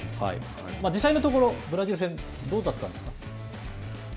実際のところ、ブラジル戦、どうだったんですか。